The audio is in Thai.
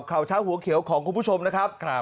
ข่าวเช้าหัวเขียวของคุณผู้ชมนะครับ